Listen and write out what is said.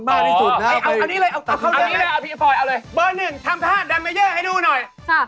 ทำทาจะมาได้ให้ดูหน่อย